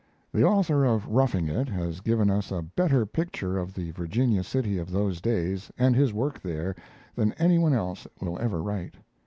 The author of 'Roughing It' has given us a better picture of the Virginia City of those days and his work there than any one else will ever write.